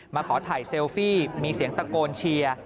ขอถ่ายเซลฟี่มีเสียงตะโกนเชียร์